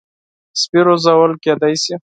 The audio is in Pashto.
سپي روزل کېدای شي.